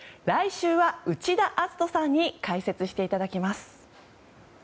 来週は内田篤人さんに解説していただきます。